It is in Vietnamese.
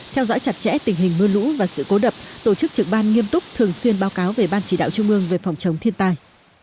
theo dõi chặt chẽ tình hình mưa lũ và sự cố đập tổ chức trực ban nghiêm túc thường xuyên báo cáo về ban chỉ đạo trung ương về phòng chống thiên tai